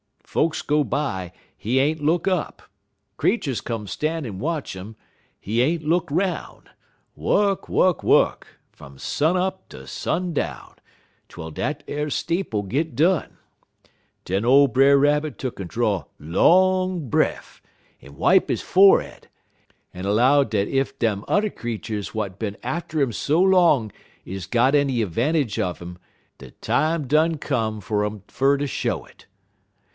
Folks go by, he ain't look up; creeturs come stan' en watch 'im, he ain't look 'roun'; wuk, wuk, wuk, from sun up ter sun down, twel dat er steeple git done. Den ole Brer Rabbit tuck'n draw long breff, en wipe he forrerd, en 'low dat ef dem t'er creeturs w'at bin atter 'im so long is got any de 'vantage er him, de time done come fer um fer ter show it.